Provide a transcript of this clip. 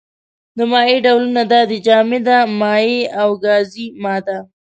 د مادې ډولونه دا دي: جامده، مايع او گازي ماده.